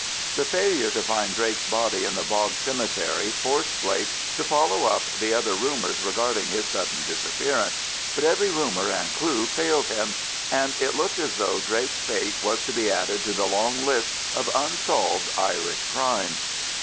The failure to find Drake's body in the bog cemetery forced Blake to follow up the other rumours regarding his sudden disappearance, but every rumour and clue failed them, and it looked as though Drake's fate was to be added to the long list of unsolved Irish crimes.